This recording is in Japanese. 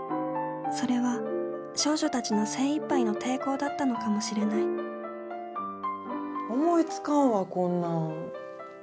それは少女たちの精いっぱいの抵抗だったのかもしれない思いつかんわこんなん。